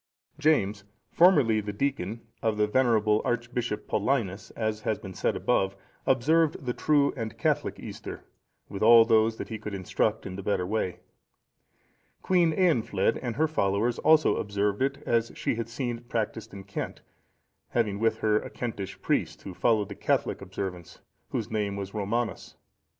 James,(458) formerly the deacon of the venerable Archbishop Paulinus, as has been said above, observed the true and Catholic Easter, with all those that he could instruct in the better way. Queen Eanfled and her followers also observed it as she had seen it practised in Kent, having with her a Kentish priest who followed the Catholic observance, whose name was Romanus.